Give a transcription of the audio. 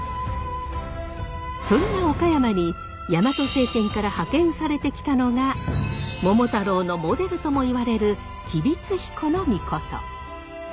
そんな岡山にヤマト政権から派遣されてきたのが桃太郎のモデルともいわれる吉備津彦命。